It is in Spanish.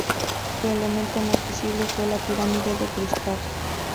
Su elemento más visible fue la pirámide de cristal.